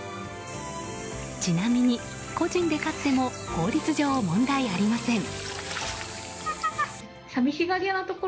ちなみに個人で飼っても法律上問題ありません。